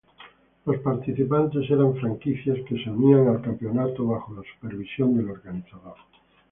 Los participantes eran franquicias que se unían al campeonato bajo la supervisión del organizador.